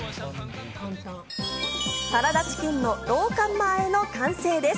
サラダチキンのローカンマ和えの完成です。